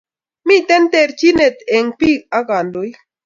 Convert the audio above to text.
Miten terchinet en pik ak kandoik